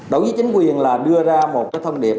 đối với chính quyền là đưa ra một cái thông điệp